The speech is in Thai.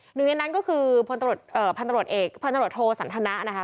หนึ่งในนั้นก็คือพลตำรวจเอกพันตรวจโทสันทนะนะคะ